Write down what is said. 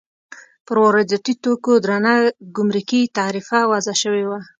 پر وارداتي توکو درنه ګمرکي تعرفه وضع شوې وه.